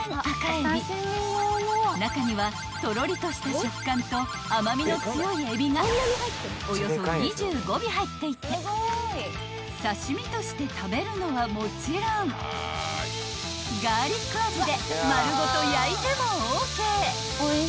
［中にはとろりとした食感と甘味の強いエビがおよそ２５尾入っていて刺し身として食べるのはもちろんガーリック味で丸ごと焼いてもＯＫ］